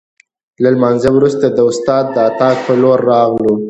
له لمانځه وروسته د استاد د اتاق په لور راغلو.